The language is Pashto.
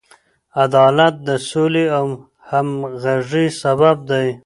عدالت د سولې او همغږۍ سبب دی.